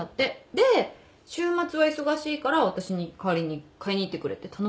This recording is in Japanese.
で週末は忙しいから私に代わりに買いに行ってくれって頼まれた。